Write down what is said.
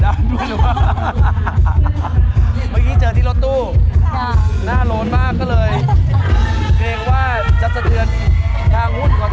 ทางหาหุ้นตดได้ก็เลยให้แต่งหน้าให้เรียบร้อยก่อน